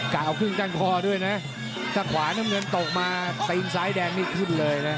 กล่าวครึ่งก้านคอด้วยนะถ้าขวาน้ำเงินตกมาตีนซ้ายแดงนี่ขึ้นเลยนะ